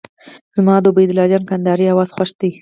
زما د عبید الله جان کندهاري اواز خوښ دی.